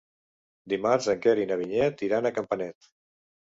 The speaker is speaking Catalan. Dimarts en Quer i na Vinyet iran a Campanet.